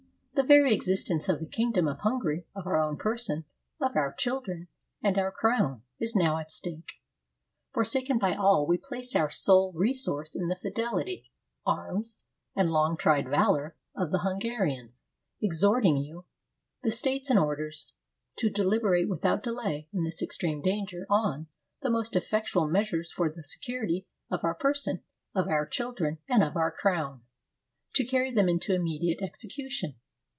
The very existence of the kingdom of Hungary, of our own person, of our children and our crown, is now at stake. Forsaken by all, we place our sole resource in the fideUty, arms, and long tried valor of the Hungarians; exhorting you, the states and orders, to deliberate without delay in this extreme danger, on the most effectual measures for the security of our per son, of our children and of our crown, and to carry them into immediate execution.